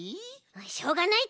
しょうがないち。